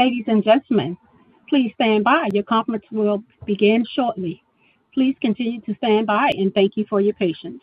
Ladies and gentlemen, please stand by. Your conference will begin shortly. Please continue to stand by, and thank you for your patience.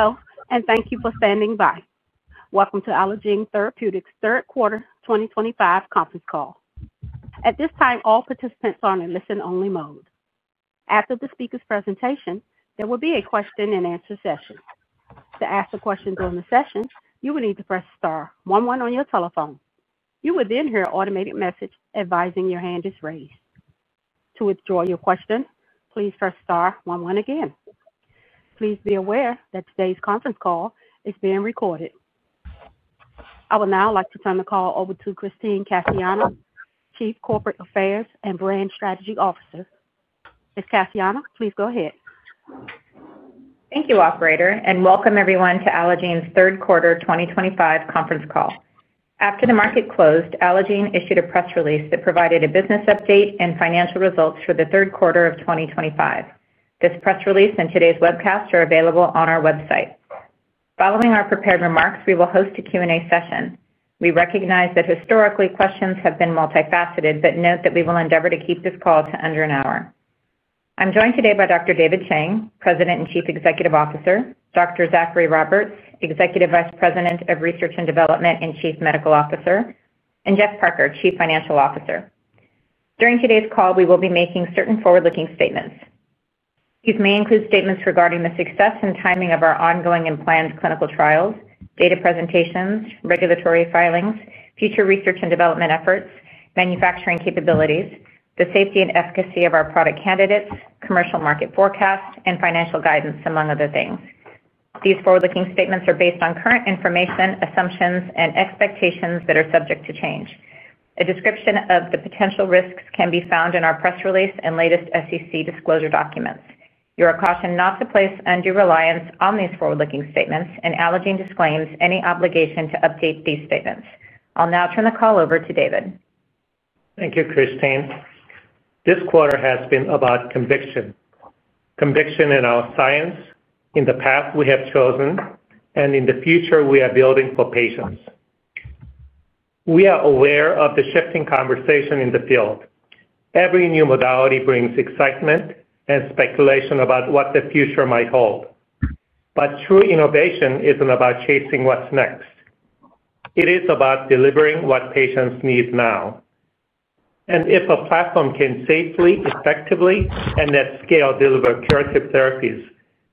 Hello, and thank you for standing by. Welcome to Allogene Therapeutics' third quarter, 2025, conference call. At this time, all participants are in listen-only mode. After the speaker's presentation, there will be a question-and-answer session. To ask a question during the session, you will need to press star 11 on your telephone. You will then hear an automated message advising your hand is raised. To withdraw your question, please press star 11 again. Please be aware that today's conference call is being recorded. I would now like to turn the call over to Christine Cassiano, Chief Corporate Affairs and Brand Strategy Officer. Ms. Cassiano, please go ahead. Thank you, Operator, and welcome everyone to Allogene's third quarter 2025 conference call. After the market closed, Allogene issued a press release that provided a business update and financial results for the third quarter of 2025. This press release and today's webcast are available on our website. Following our prepared remarks, we will host a Q&A session. We recognize that historically, questions have been multifaceted, but note that we will endeavor to keep this call to under an hour. I'm joined today by Dr. David Chang, President and Chief Executive Officer, Dr. Zachary Roberts, Executive Vice President of Research and Development and Chief Medical Officer, and Jeff Parker, Chief Financial Officer. During today's call, we will be making certain forward-looking statements. These may include statements regarding the success and timing of our ongoing and planned clinical trials, data presentations, regulatory filings, future research and development efforts, manufacturing capabilities, the safety and efficacy of our product candidates, commercial market forecasts, and financial guidance, among other things. These forward-looking statements are based on current information, assumptions, and expectations that are subject to change. A description of the potential risks can be found in our press release and latest SEC disclosure documents. You are cautioned not to place undue reliance on these forward-looking statements, and Allogene disclaims any obligation to update these statements. I'll now turn the call over to David. Thank you, Christine. This quarter has been about conviction. Conviction in our science, in the path we have chosen, and in the future we are building for patients. We are aware of the shifting conversation in the field. Every new modality brings excitement and speculation about what the future might hold. True innovation is not about chasing what is next. It is about delivering what patients need now. If a platform can safely, effectively, and at scale deliver curative therapies,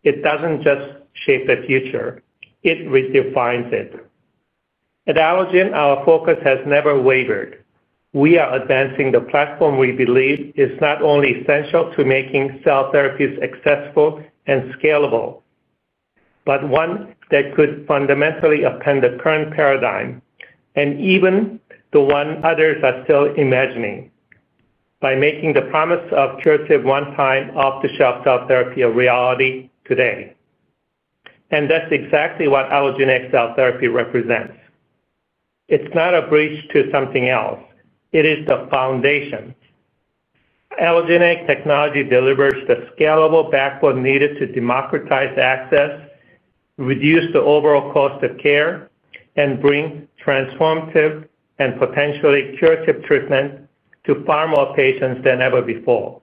it does not just shape the future, it redefines it. At Allogene, our focus has never wavered. We are advancing the platform we believe is not only essential to making cell therapies accessible and scalable, but one that could fundamentally upend the current paradigm, and even the one others are still imagining, by making the promise of curative one-time off-the-shelf cell therapy a reality today. That is exactly what Allogene XL Therapy represents. It is not a bridge to something else. It is the foundation. Allogene XL Technology delivers the scalable backbone needed to democratize access, reduce the overall cost of care, and bring transformative and potentially curative treatment to far more patients than ever before.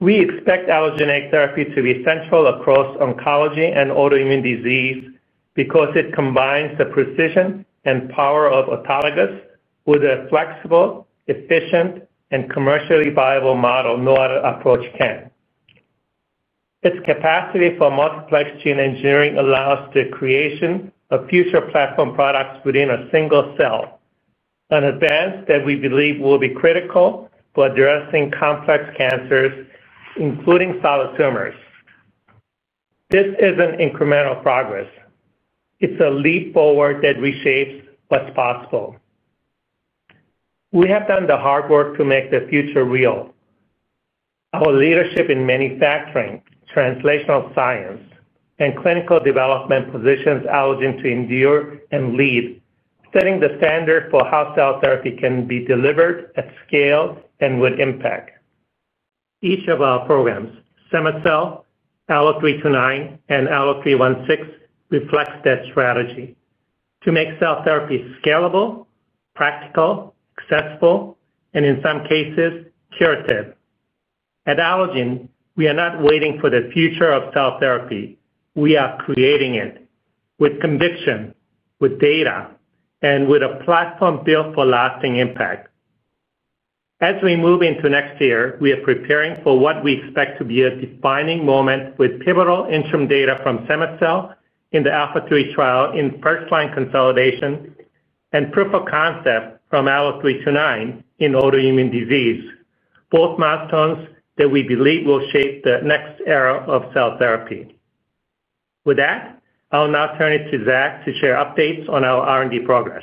We expect Allogene XL Therapy to be central across oncology and autoimmune disease because it combines the precision and power of autologous with a flexible, efficient, and commercially viable model no other approach can. Its capacity for multiplex gene engineering allows the creation of future platform products within a single cell, an advance that we believe will be critical for addressing complex cancers, including solid tumors. This is not incremental progress. It is a leap forward that reshapes what is possible. We have done the hard work to make the future real. Our leadership in manufacturing, translational science, and clinical development positions Allogene to endure and lead, setting the standard for how cell therapy can be delivered at scale and with impact. Each of our programs, cema-cel, Allo329, and Allo316, reflects that strategy to make cell therapy scalable, practical, accessible, and in some cases, curative. At Allogene, we are not waiting for the future of cell therapy. We are creating it with conviction, with data, and with a platform built for lasting impact. As we move into next year, we are preparing for what we expect to be a defining moment with pivotal interim data from cema-cel in the AlphaTru trial in first-line consolidation and proof of concept from Allo329 in autoimmune disease, both milestones that we believe will shape the next era of cell therapy. With that, I'll now turn it to Zach to share updates on our R&D progress.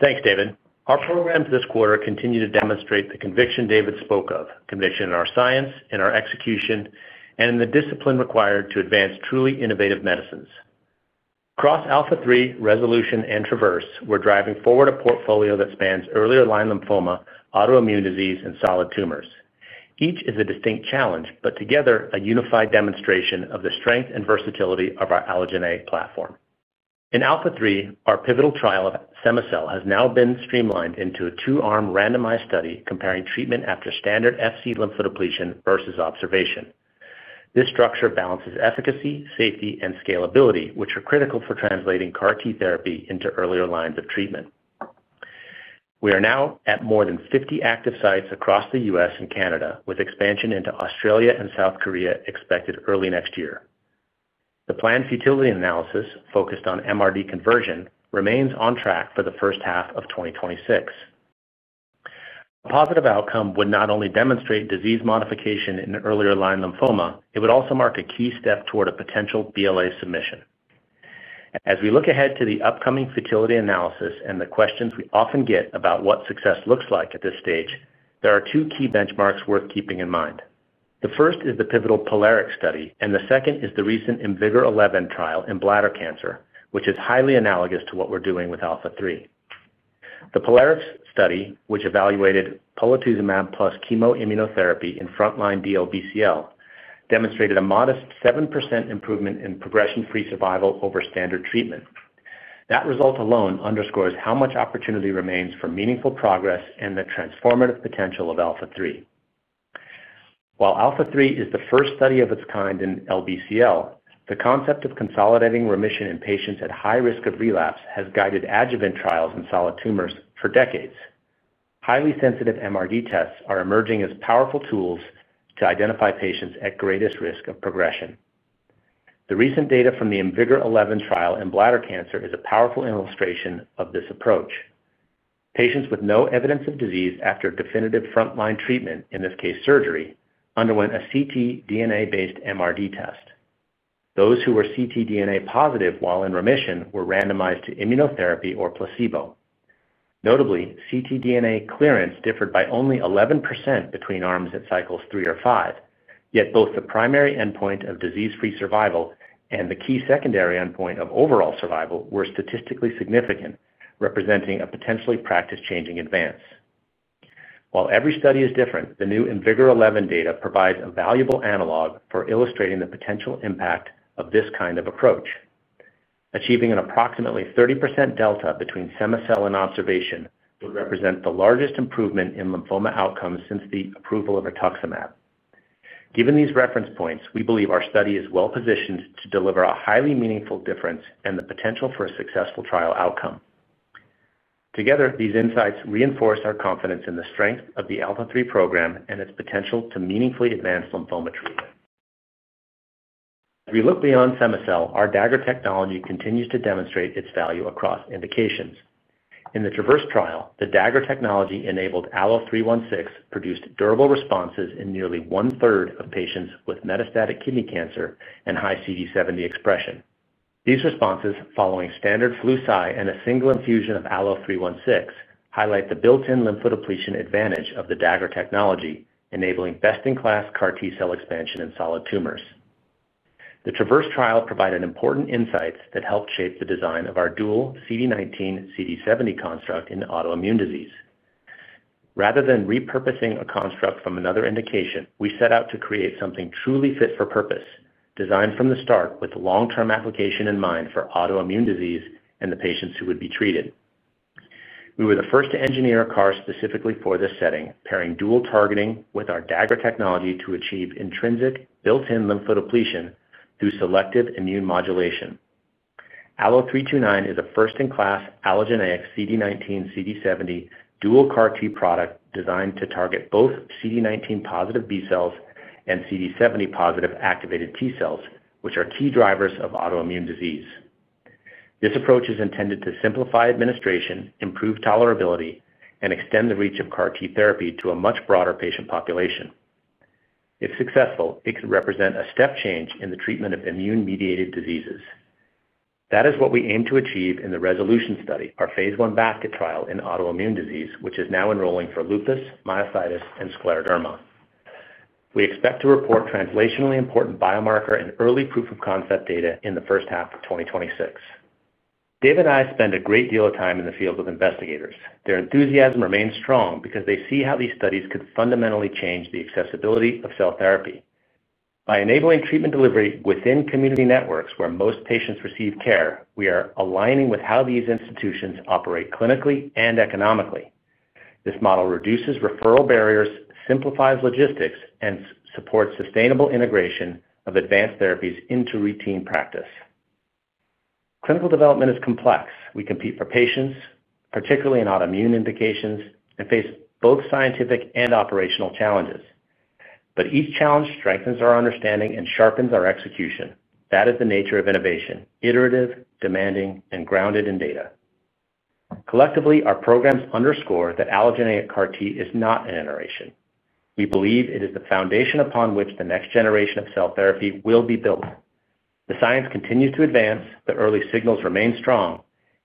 Thanks, David. Our programs this quarter continue to demonstrate the conviction David spoke of, conviction in our science, in our execution, and in the discipline required to advance truly innovative medicines. Across AlphaTru, Resolution, and Traverse, we're driving forward a portfolio that spans earlier line lymphoma, autoimmune disease, and solid tumors. Each is a distinct challenge, but together, a unified demonstration of the strength and versatility of our Allogene platform. In AlphaTru, our pivotal trial of cema-cel has now been streamlined into a two-arm randomized study comparing treatment after standard FC lymphodepletion versus observation. This structure balances efficacy, safety, and scalability, which are critical for translating CAR-T therapy into earlier lines of treatment. We are now at more than 50 active sites across the U.S. and Canada, with expansion into Australia and South Korea expected early next year. The planned futility analysis, focused on MRD conversion, remains on track for the first half of 2026. A positive outcome would not only demonstrate disease modification in earlier line lymphoma, it would also mark a key step toward a potential BLA submission. As we look ahead to the upcoming futility analysis and the questions we often get about what success looks like at this stage, there are two key benchmarks worth keeping in mind. The first is the pivotal POLARIX study, and the second is the recent InVIGOR-11 trial in bladder cancer, which is highly analogous to what we're doing with AlphaTru. The POLARIX study, which evaluated polatuzumab plus chemoimmunotherapy in front-line DLBCL, demonstrated a modest 7% improvement in progression-free survival over standard treatment. That result alone underscores how much opportunity remains for meaningful progress and the transformative potential of AlphaTru. While AlphaTru is the first study of its kind in LBCL, the concept of consolidating remission in patients at high risk of relapse has guided adjuvant trials in solid tumors for decades. Highly sensitive MRD tests are emerging as powerful tools to identify patients at greatest risk of progression. The recent data from the InVIGOR-11 trial in bladder cancer is a powerful illustration of this approach. Patients with no evidence of disease after definitive front-line treatment, in this case surgery, underwent a ctDNA-based MRD test. Those who were ctDNA positive while in remission were randomized to immunotherapy or placebo. Notably, ctDNA clearance differed by only 11% between arms at cycles three or five, yet both the primary endpoint of disease-free survival and the key secondary endpoint of overall survival were statistically significant, representing a potentially practice-changing advance. While every study is different, the new InVIGOR-11 data provides a valuable analog for illustrating the potential impact of this kind of approach. Achieving an approximately 30% delta between cema-cel and observation would represent the largest improvement in lymphoma outcomes since the approval of rituximab. Given these reference points, we believe our study is well-positioned to deliver a highly meaningful difference and the potential for a successful trial outcome. Together, these insights reinforce our confidence in the strength of the AlphaTru program and its potential to meaningfully advance lymphoma treatment. As we look beyond cema-cel, our Dagger technology continues to demonstrate its value across indications. In the Traverse trial, the Dagger technology enabled Allo316 produced durable responses in nearly one-third of patients with metastatic kidney cancer and high CD70 expression. These responses, following standard flue cy and a single infusion of Allo316, highlight the built-in lymphodepletion advantage of the Dagger technology, enabling best-in-class CAR-T cell expansion in solid tumors. The Traverse trial provided important insights that helped shape the design of our dual CD19/CD70 construct in autoimmune disease. Rather than repurposing a construct from another indication, we set out to create something truly fit for purpose, designed from the start with long-term application in mind for autoimmune disease and the patients who would be treated. We were the first to engineer a CAR specifically for this setting, pairing dual targeting with our Dagger technology to achieve intrinsic built-in lymphodepletion through selective immune modulation. Allo329 is a first-in-class Allogene XL CD19/CD70 dual CAR-T product designed to target both CD19-positive B cells and CD70-positive activated T cells, which are key drivers of autoimmune disease. This approach is intended to simplify administration, improve tolerability, and extend the reach of CAR-T therapy to a much broader patient population. If successful, it could represent a step change in the treatment of immune-mediated diseases. That is what we aim to achieve in the Resolution study, our phase one basket trial in autoimmune disease, which is now enrolling for lupus, myositis, and scleroderma. We expect to report translationally important biomarker and early proof of concept data in the first half of 2026. David and I spend a great deal of time in the field with investigators. Their enthusiasm remains strong because they see how these studies could fundamentally change the accessibility of cell therapy. By enabling treatment delivery within community networks where most patients receive care, we are aligning with how these institutions operate clinically and economically. This model reduces referral barriers, simplifies logistics, and supports sustainable integration of advanced therapies into routine practice. Clinical development is complex. We compete for patients, particularly in autoimmune indications, and face both scientific and operational challenges. Each challenge strengthens our understanding and sharpens our execution. That is the nature of innovation: iterative, demanding, and grounded in data. Collectively, our programs underscore that Allogene XL CAR-T is not an iteration. We believe it is the foundation upon which the next generation of cell therapy will be built. The science continues to advance, the early signals remain strong,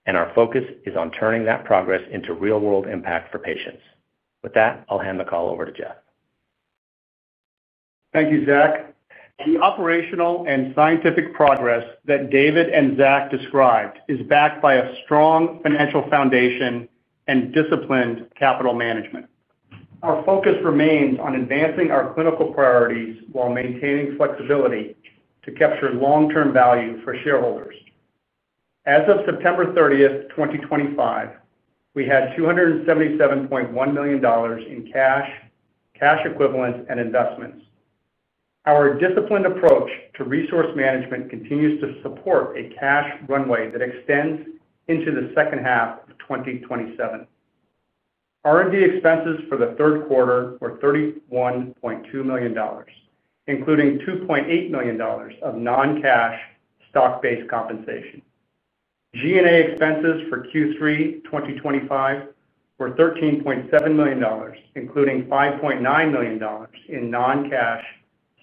and our focus is on turning that progress into real-world impact for patients. With that, I'll hand the call over to Jeff. Thank you, Zach. The operational and scientific progress that David and Zach described is backed by a strong financial foundation and disciplined capital management. Our focus remains on advancing our clinical priorities while maintaining flexibility to capture long-term value for shareholders. As of September 30, 2025, we had $277.1 million in cash, cash equivalents, and investments. Our disciplined approach to resource management continues to support a cash runway that extends into the second half of 2027. R&D expenses for the third quarter were $31.2 million, including $2.8 million of non-cash stock-based compensation. G&A expenses for Q3 2025 were $13.7 million, including $5.9 million in non-cash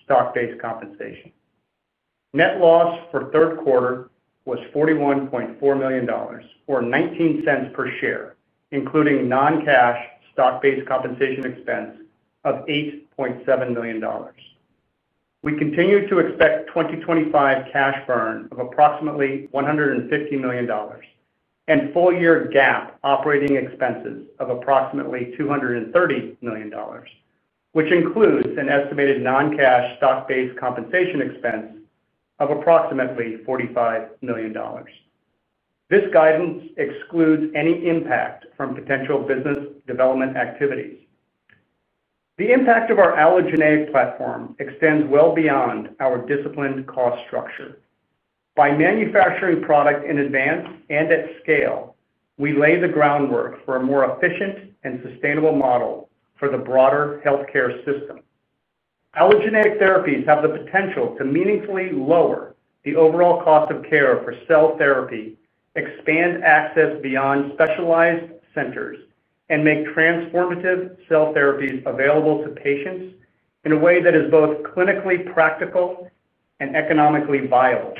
stock-based compensation. Net loss for the third quarter was $41.4 million, or $0.19 per share, including non-cash stock-based compensation expense of $8.7 million. We continue to expect a 2025 cash burn of approximately $150 million. Full-year GAAP operating expenses of approximately $230 million, which includes an estimated non-cash stock-based compensation expense of approximately $45 million. This guidance excludes any impact from potential business development activities. The impact of our Allogene XL platform extends well beyond our disciplined cost structure. By manufacturing product in advance and at scale, we lay the groundwork for a more efficient and sustainable model for the broader healthcare system. Allogene XL therapies have the potential to meaningfully lower the overall cost of care for cell therapy, expand access beyond specialized centers, and make transformative cell therapies available to patients in a way that is both clinically practical and economically viable.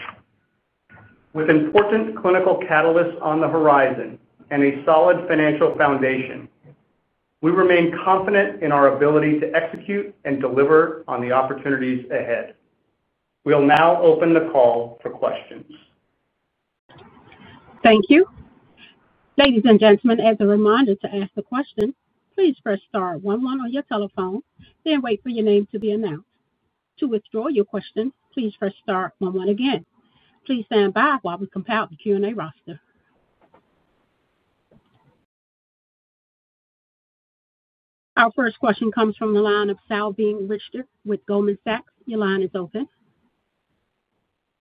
With important clinical catalysts on the horizon and a solid financial foundation, we remain confident in our ability to execute and deliver on the opportunities ahead. We'll now open the call for questions. Thank you. Ladies and gentlemen, as a reminder to ask a question, please press * 11 on your telephone, then wait for your name to be announced. To withdraw your question, please press * 11 again. Please stand by while we compile the Q&A roster. Our first question comes from the line of Salveen Richter with Goldman Sachs. Your line is open.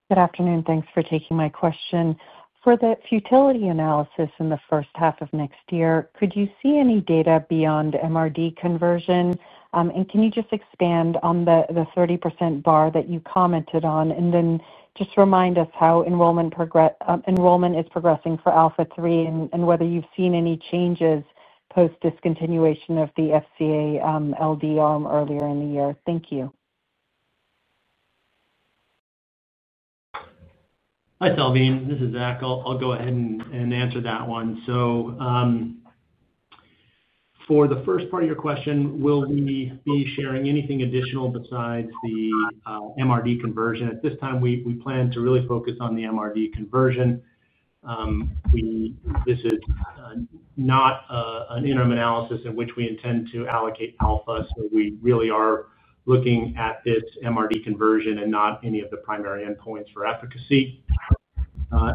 Good afternoon. Thanks for taking my question. For the futility analysis in the first half of next year, could you see any data beyond MRD conversion? Could you just expand on the 30% bar that you commented on, and then just remind us how enrollment is progressing for AlphaTru and whether you've seen any changes post-discontinuation of the FCA LD arm earlier in the year? Thank you. Hi, Salveen. This is Zach. I'll go ahead and answer that one. For the first part of your question, will we be sharing anything additional besides the MRD conversion? At this time, we plan to really focus on the MRD conversion. This is not an interim analysis in which we intend to allocate alpha, so we really are looking at this MRD conversion and not any of the primary endpoints for efficacy.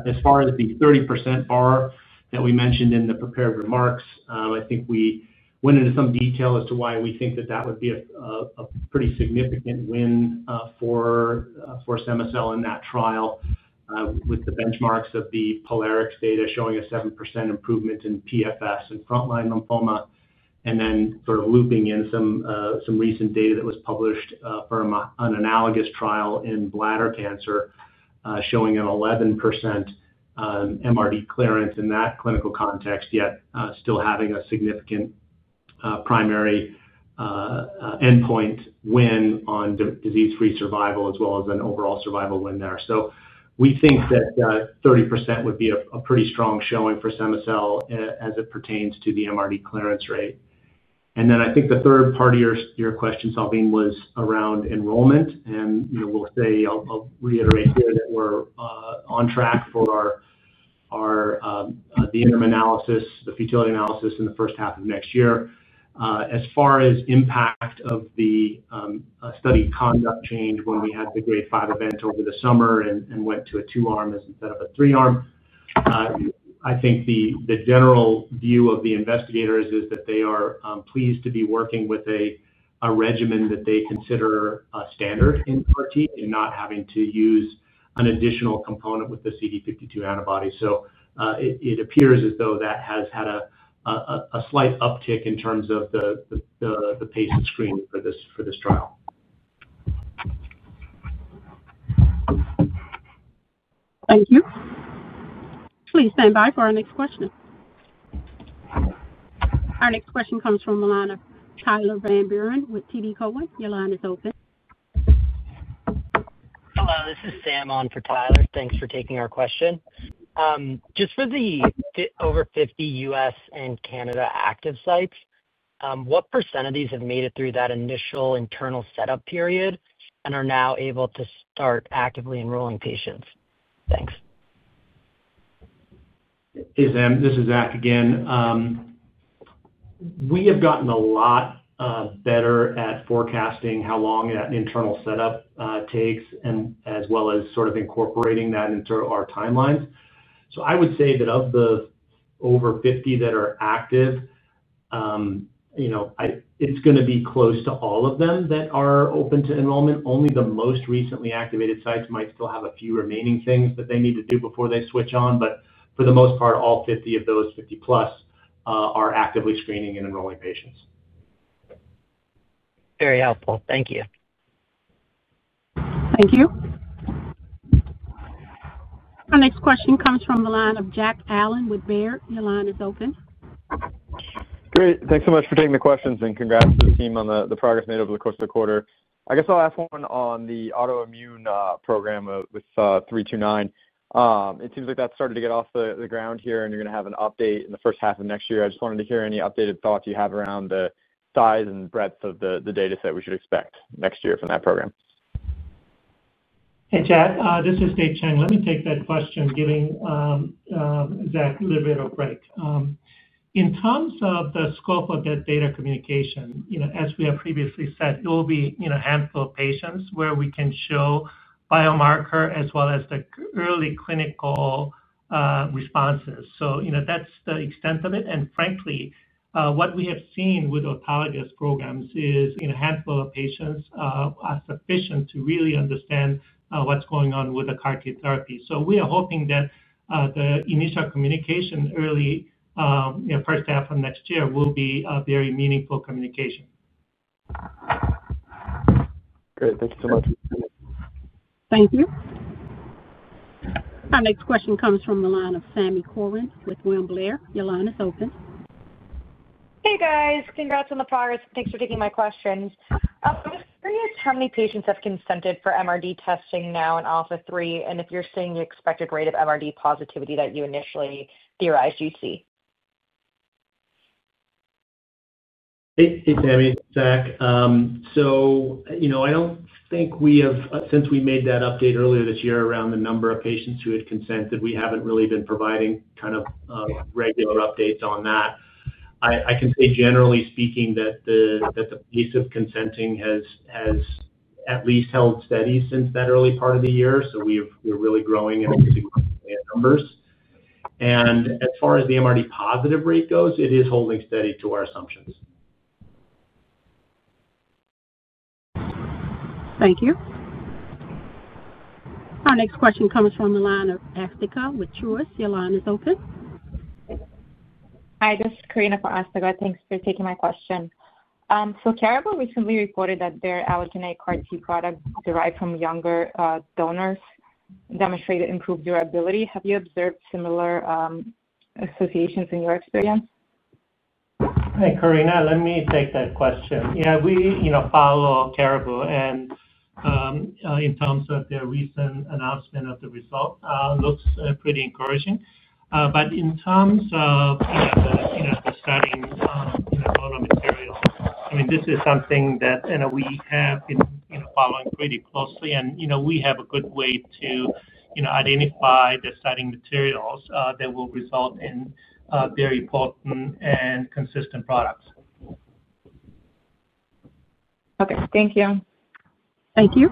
As far as the 30% bar that we mentioned in the prepared remarks, I think we went into some detail as to why we think that that would be a pretty significant win for cema-cel in that trial with the benchmarks of the POLARIX data showing a 7% improvement in PFS in front-line lymphoma, and then sort of looping in some recent data that was published for an analogous trial in bladder cancer showing an 11%. MRD clearance in that clinical context, yet still having a significant primary endpoint win on disease-free survival as well as an overall survival win there. We think that 30% would be a pretty strong showing for cema-cel as it pertains to the MRD clearance rate. I think the third part of your question, Salveen, was around enrollment, and I'll reiterate here that we're on track for the interim analysis, the futility analysis, in the first half of next year. As far as impact of the study conduct change when we had the grade 5 event over the summer and went to a two-arm instead of a three-arm, I think the general view of the investigators is that they are pleased to be working with a regimen that they consider standard in CAR-T and not having to use an additional component with the CD52 antibody. It appears as though that has had a slight uptick in terms of the pace of screening for this trial. Thank you. Please stand by for our next question. Our next question comes from the line of Tyler Van Buren with TD Cowen. Your line is open. Hello. This is Sam on for Tyler. Thanks for taking our question. Just for the over 50 U.S. and Canada active sites, what % of these have made it through that initial internal setup period and are now able to start actively enrolling patients? Thanks. Hey, Sam. This is Zach again. We have gotten a lot better at forecasting how long that internal setup takes as well as sort of incorporating that into our timelines. I would say that of the over 50 that are active, it's going to be close to all of them that are open to enrollment. Only the most recently activated sites might still have a few remaining things that they need to do before they switch on, but for the most part, all 50 of those, 50-plus, are actively screening and enrolling patients. Very helpful. Thank you. Thank you. Our next question comes from the line of Jack Allen with Baird. Your line is open. Great. Thanks so much for taking the questions and congrats to the team on the progress made over the course of the quarter. I guess I'll ask one on the autoimmune program with 329. It seems like that's started to get off the ground here, and you're going to have an update in the first half of next year. I just wanted to hear any updated thoughts you have around the size and breadth of the data set we should expect next year from that program. Hey, Jack. This is Dave Chang. Let me take that question, giving Zach a little bit of a break. In terms of the scope of that data communication, as we have previously said, it will be a handful of patients where we can show biomarker as well as the early clinical responses. That is the extent of it. Frankly, what we have seen with autologous programs is a handful of patients are sufficient to really understand what is going on with the CAR-T therapy. We are hoping that the initial communication early first half of next year will be very meaningful communication. Great. Thank you so much. Thank you. Our next question comes from the line of Sami Corwin with William Blair. Your line is open. Hey, guys. Congrats on the progress, and thanks for taking my questions. I'm just curious how many patients have consented for MRD testing now in AlphaTru, and if you're seeing the expected rate of MRD positivity that you initially theorized you'd see. Hey, Sammy. Zach. I don't think we have, since we made that update earlier this year around the number of patients who had consented, we haven't really been providing kind of regular updates on that. I can say, generally speaking, that the pace of consenting has at least held steady since that early part of the year, so we're really growing in numbers. As far as the MRD positive rate goes, it is holding steady to our assumptions. Thank you. Our next question comes from the line of Asthika with Citizens. Your line is open. Hi. This is Karina from Asthika. Thanks for taking my question. Caribou recently reported that their Allogene XL CAR-T product derived from younger donors demonstrated improved durability. Have you observed similar associations in your experience? Hey, Karina. Let me take that question. Yeah, we follow Caribou, and in terms of their recent announcement of the result, it looks pretty encouraging. In terms of the studying materials, I mean, this is something that we have been following pretty closely, and we have a good way to identify the studying materials that will result in very important and consistent products. Okay. Thank you. Thank you.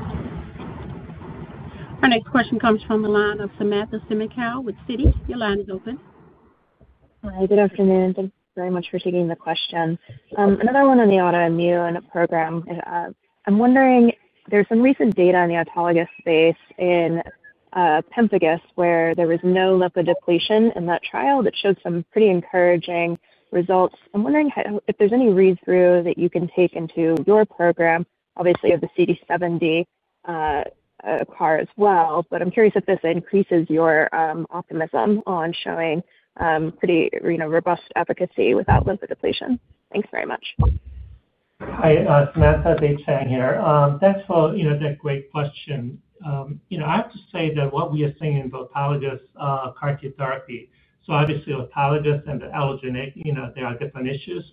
Our next question comes from the line of Samantha Semenkow with Citi. Your line is open. Hi. Good afternoon. Thank you very much for taking the question. Another one on the autoimmune program. I'm wondering, there's some recent data in the autologous space in pemphigus where there was no lymphodepletion in that trial that showed some pretty encouraging results. I'm wondering if there's any read-through that you can take into your program. Obviously, you have the CD70 CAR as well, but I'm curious if this increases your optimism on showing pretty robust efficacy without lymphodepletion. Thanks very much. Hi. Samantha, Dave Chang here. Thanks for that great question. I have to say that what we are seeing in the autologous CAR-T therapy, so obviously, autologous and the Allogene XL, there are different issues,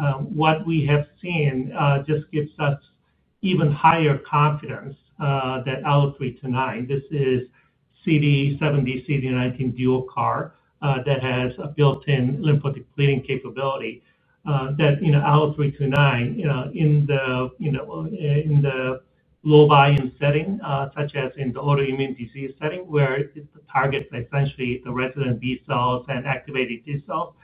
but what we have seen just gives us even higher confidence that Allo329, this is CD70, CD19 dual CAR that has a built-in lymphatic bleeding capability, that Allo329 in the low-volume setting, such as in the autoimmune disease setting where it targets essentially the resident B cells and activated T cells,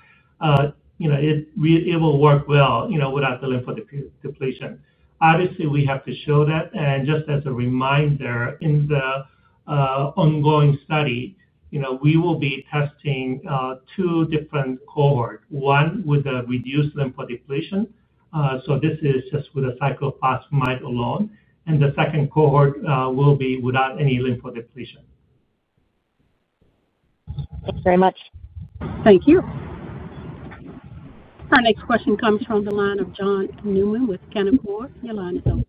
it will work well without the lymphatic depletion. Obviously, we have to show that. And just as a reminder, in the ongoing study, we will be testing two different cohorts, one with a reduced lymphatic depletion, so this is just with cyclophosphamide alone, and the second cohort will be without any lymphatic depletion. Thanks very much. Thank you. Our next question comes from the line of John Newman with Cantor. Your line is open.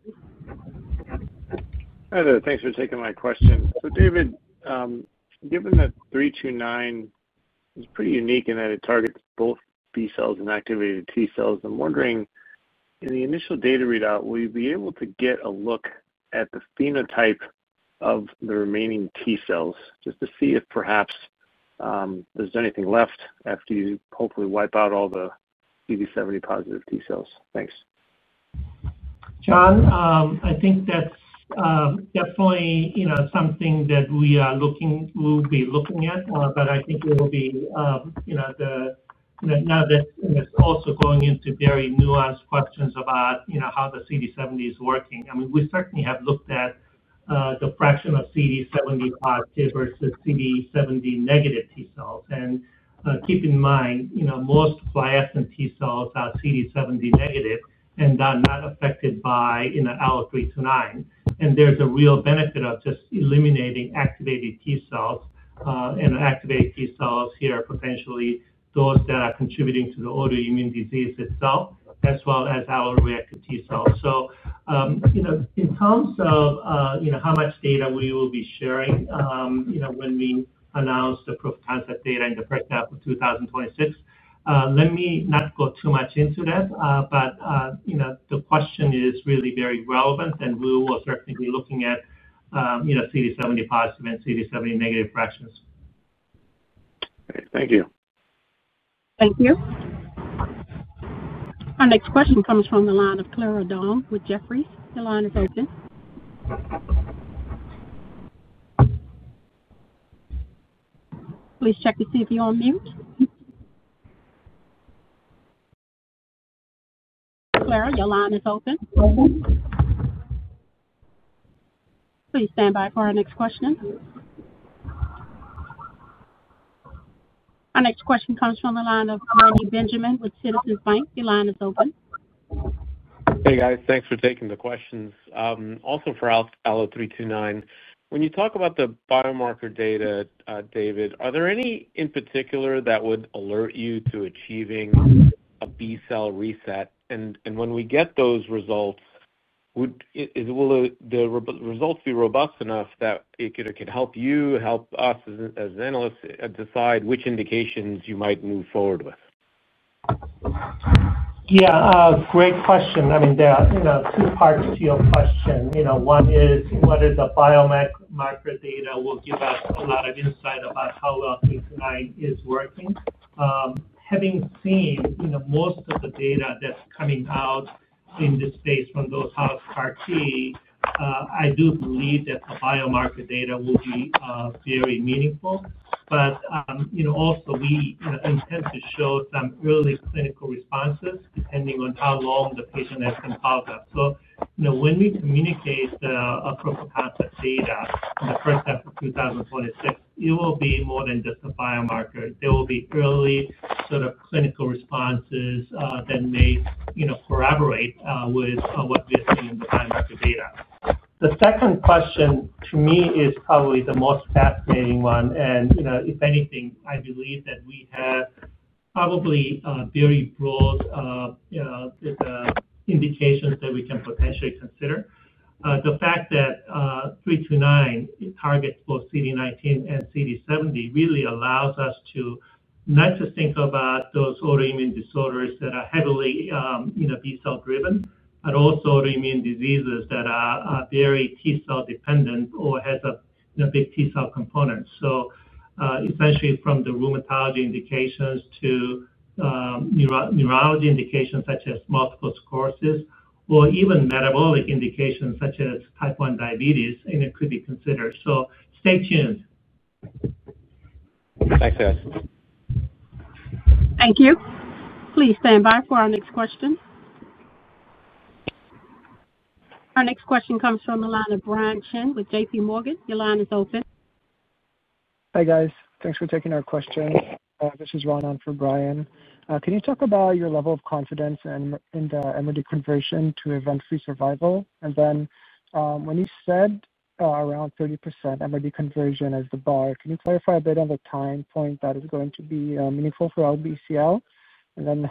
Hi there. Thanks for taking my question. So David, given that 329 is pretty unique in that it targets both B cells and activated T cells, I'm wondering, in the initial data readout, will you be able to get a look at the phenotype of the remaining T cells just to see if perhaps there's anything left after you hopefully wipe out all the CD70-positive T cells? Thanks. John, I think that's definitely something that we will be looking at, but I think it will be. Now that it's also going into very nuanced questions about how the CD70 is working. I mean, we certainly have looked at the fraction of CD70-positive versus CD70-negative T cells. And keep in mind, most flaccid T cells are CD70-negative and are not affected by Allo329. There's a real benefit of just eliminating activated T cells, and activated T cells here are potentially those that are contributing to the autoimmune disease itself as well as our reactive T cells. In terms of how much data we will be sharing when we announce the proof of concept data in the first half of 2026, let me not go too much into that, but the question is really very relevant, and we will certainly be looking at CD70-positive and CD70-negative fractions. Thank you. Thank you. Our next question comes from the line of Clara Dong with Jefferies. Your line is open. Please check to see if you're on mute. Clara, your line is open. Please stand by for our next question. Our next question comes from the line of Reni Benjamin with Citizens Bank. Your line is open. Hey, guys. Thanks for taking the questions. Also for Allo329, when you talk about the biomarker data, David, are there any in particular that would alert you to achieving a B cell reset? And when we get those results, will the results be robust enough that it could help you, help us as analysts decide which indications you might move forward with? Yeah. Great question. I mean, there are two parts to your question. One is whether the biomarker data will give us a lot of insight about how Allo329 is working. Having seen most of the data that's coming out in this space from those health CAR-T, I do believe that the biomarker data will be very meaningful. Also, we intend to show some early clinical responses depending on how long the patient has been followed up. When we communicate the proof of concept data in the first half of 2026, it will be more than just a biomarker. There will be early sort of clinical responses that may corroborate with what we are seeing in the biomarker data. The second question to me is probably the most fascinating one. If anything, I believe that we have probably very broad indications that we can potentially consider. The fact that 329 targets both CD19 and CD70 really allows us to not just think about those autoimmune disorders that are heavily B cell-driven, but also autoimmune diseases that are very T cell-dependent or have a big T cell component. Essentially, from the rheumatology indications to neurology indications such as multiple sclerosis or even metabolic indications such as type 1 diabetes, it could be considered. Stay tuned. Thanks, guys. Thank you. Please stand by for our next question. Our next question comes from the line of Brian Chen with JPMorgan. Your line is open. Hi, guys. Thanks for taking our questions. This is Ron for Brian. Can you talk about your level of confidence in MRD conversion to event-free survival? When you said around 30% MRD conversion as the bar, can you clarify a bit on the time point that is going to be meaningful for LBCL?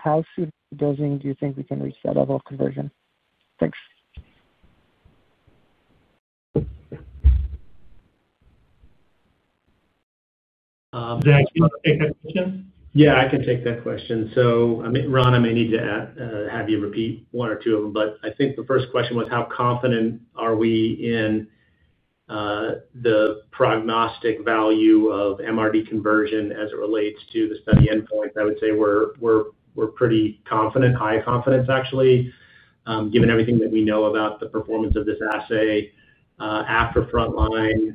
How soon do you think we can reset level of conversion? Thanks. Zach, you want to take that question? Yeah, I can take that question. Ron, I may need to have you repeat one or two of them, but I think the first question was, how confident are we in the prognostic value of MRD conversion as it relates to the study endpoints? I would say we're pretty confident, high confidence, actually, given everything that we know about the performance of this assay. After Frontline,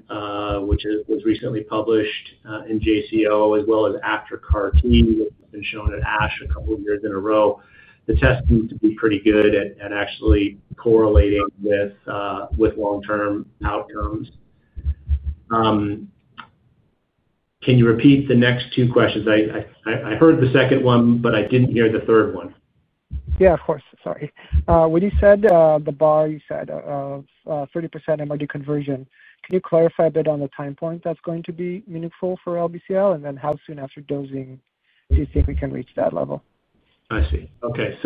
which was recently published in JCO, as well as after CAR-T, which has been shown at ASH a couple of years in a row, the test seems to be pretty good at actually correlating with long-term outcomes. Can you repeat the next two questions? I heard the second one, but I didn't hear the third one. Yeah, of course. Sorry. When you said the bar, you said 30% MRD conversion, can you clarify a bit on the time point that's going to be meaningful for LBCL? And then how soon after dosing do you think we can reach that level? I see. Okay.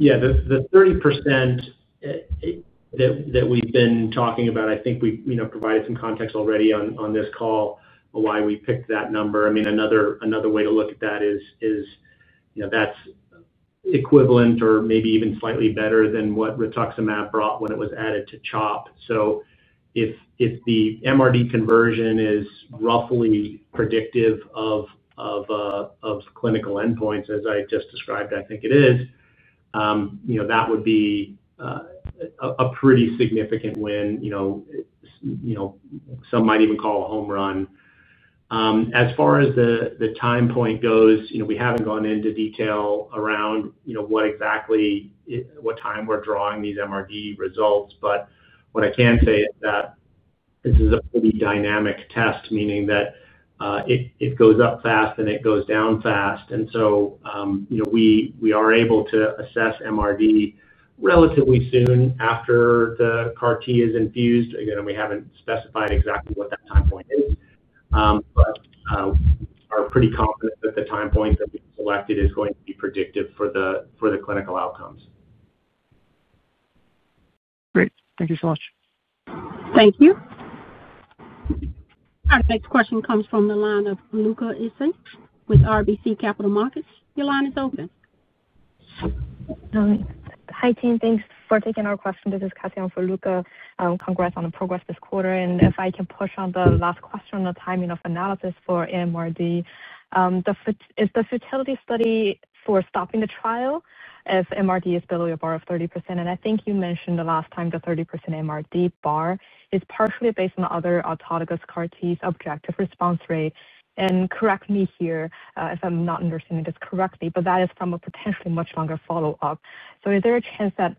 Yeah, the 30% that we've been talking about, I think we provided some context already on this call on why we picked that number. I mean, another way to look at that is that's equivalent or maybe even slightly better than what rituximab brought when it was added to CHOP. If the MRD conversion is roughly predictive of clinical endpoints, as I just described, I think it is. That would be a pretty significant win. Some might even call a home run. As far as the time point goes, we haven't gone into detail around what exactly time we're drawing these MRD results. What I can say is that this is a pretty dynamic test, meaning that it goes up fast and it goes down fast. We are able to assess MRD relatively soon after the CAR-T is infused. Again, we haven't specified exactly what that time point is. We are pretty confident that the time point that we selected is going to be predictive for the clinical outcomes. Great. Thank you so much. Thank you. Our next question comes from the line of Luca Issi with RBC Capital Markets. Your line is open. Hi, team. Thanks for taking our question. This is Cassian for Luca. Congrats on the progress this quarter. If I can push on the last question, the timing of analysis for MRD, is the futility study for stopping the trial if MRD is below your bar of 30%? I think you mentioned the last time the 30% MRD bar is partially based on other autologous CAR-T's objective response rate. Correct me here if I'm not understanding this correctly, but that is from a potentially much longer follow-up. Is there a chance that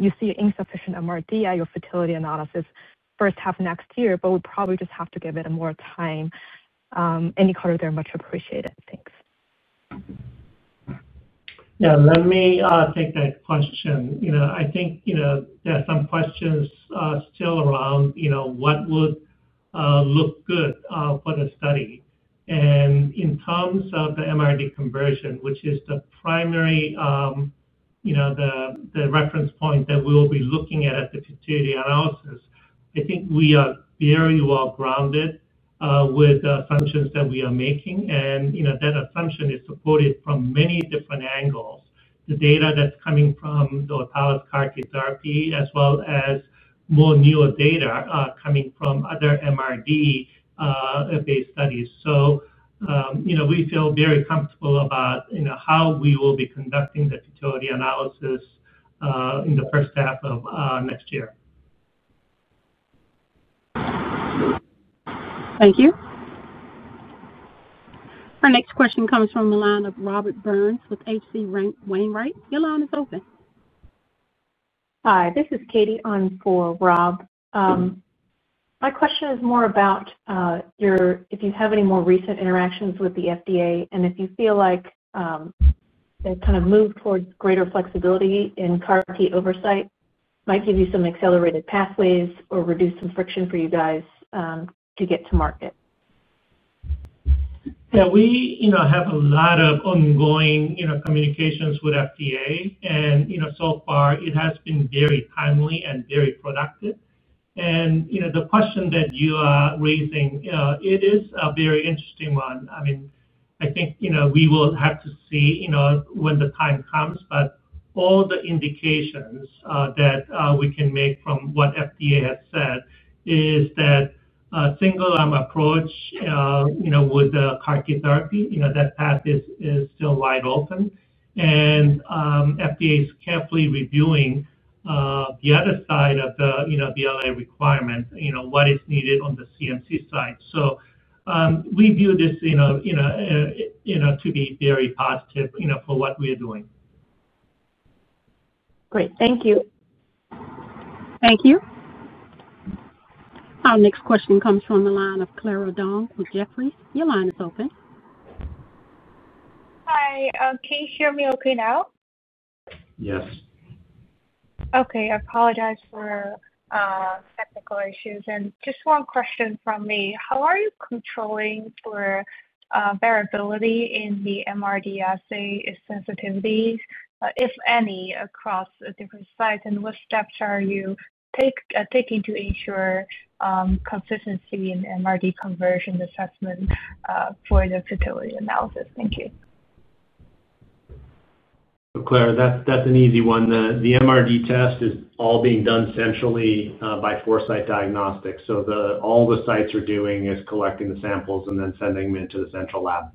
you see insufficient MRD at your futility analysis first half next year, but we probably just have to give it more time? Any color there much appreciated. Thanks. Yeah. Let me take that question. I think there are some questions still around what would look good for the study. In terms of the MRD conversion, which is the primary reference point that we will be looking at at the fertility analysis, I think we are very well grounded with the assumptions that we are making. That assumption is supported from many different angles: the data that's coming from the autologous CAR-T therapy, as well as more newer data coming from other MRD-based studies. We feel very comfortable about how we will be conducting the fertility analysis in the first half of next year. Thank you. Our next question comes from the line of Robert Burns with HC Wainwright. Your line is open. Hi. This is Katie on for Rob. My question is more about if you have any more recent interactions with the FDA and if you feel like they've kind of moved towards greater flexibility in CAR-T oversight, might give you some accelerated pathways or reduce some friction for you guys to get to market. Yeah. We have a lot of ongoing communications with FDA. And so far, it has been very timely and very productive. The question that you are raising, it is a very interesting one. I mean, I think we will have to see when the time comes. All the indications that we can make from what FDA has said is that a single-time approach with the CAR-T therapy, that path is still wide open. FDA is carefully reviewing the other side of the BLA requirement, what is needed on the CMC side. We view this to be very positive for what we are doing. Great. Thank you. Thank you. Our next question comes from the line of Clara Dong with Jefferies. Your line is open. Hi. Can you hear me okay now? Yes. Okay. I apologize for technical issues. And just one question from me. How are you controlling for variability in the MRD assay sensitivities, if any, across different sites? And what steps are you taking to ensure consistency in MRD conversion assessment for the fertility analysis? Thank you. Clara, that's an easy one. The MRD test is all being done centrally by Foresight Diagnostics. All the sites are doing is collecting the samples and then sending them into the central lab.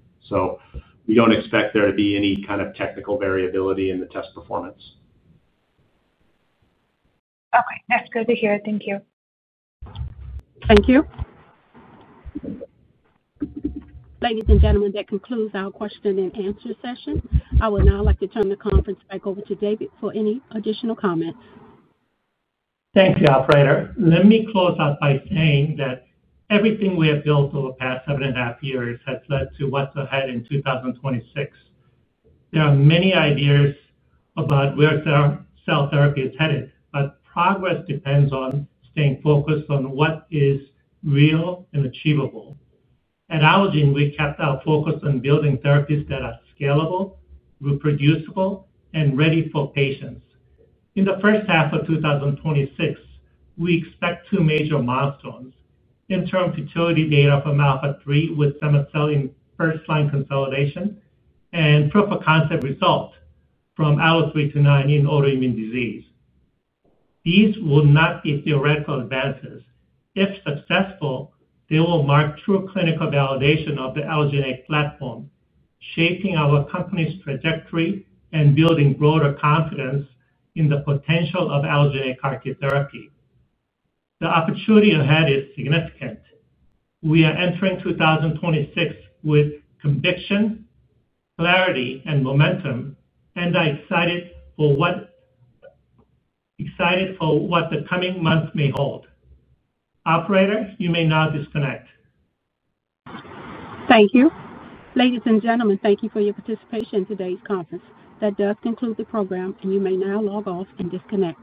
We do not expect there to be any kind of technical variability in the test performance. Okay. That's good to hear. Thank you. Thank you. Ladies and gentlemen, that concludes our question and answer session. I would now like to turn the conference back over to David for any additional comments. Thank you, operator. Let me close out by saying that everything we have built over the past seven and a half years has led to what's ahead in 2026. There are many ideas about where cell therapy is headed, but progress depends on staying focused on what is real and achievable. At Allogene, we kept our focus on building therapies that are scalable, reproducible, and ready for patients. In the first half of 2026, we expect two major milestones: interim fertility data for ALPHA3 with cema-cel first-line consolidation and proof of concept result from ALLO-329 in autoimmune disease. These will not be theoretical advances. If successful, they will mark true clinical validation of the Allogene XL platform, shaping our company's trajectory and building broader confidence in the potential of Allogene XL CAR-T therapy. The opportunity ahead is significant. We are entering 2026 with conviction. Clarity, and momentum, and I'm excited for what the coming months may hold. Operator, you may now disconnect. Thank you. Ladies and gentlemen, thank you for your participation in today's conference. That does conclude the program, and you may now log off and disconnect.